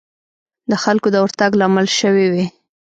د خلکو د ورتګ لامل شوې وي.